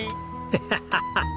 ハハハハ！